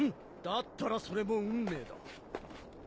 だったらそれも運命だ。